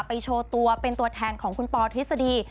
โชว์ตัวเป็นตัวแทนของคุณปอทฤษฎี